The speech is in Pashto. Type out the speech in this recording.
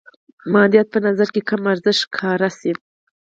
مادیات په نظر کې کم ارزښته ښکاره شي.